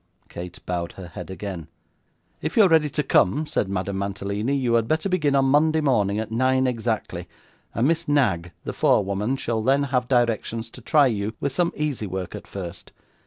Kate bowed her head again. 'If you're ready to come,' said Madame Mantalini, 'you had better begin on Monday morning at nine exactly, and Miss Knag the forewoman shall then have directions to try you with some easy work at first.